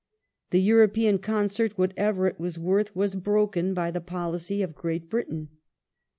The European concert, what ever it was worth, was broken by the policy of Great Britain.